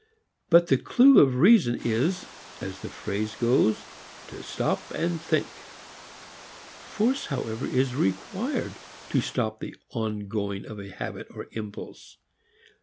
But the clew of reason is, as the phrase also goes, to stop and think. Force, however, is required to stop the ongoing of a habit or impulse.